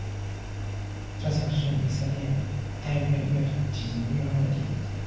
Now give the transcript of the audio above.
这曾是以色列爱乐乐团举行音乐会的地点。